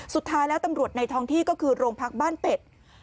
สุดท้ายแล้วตำรวจในท้องที่ก็คือโรงพักบ้านเป็ด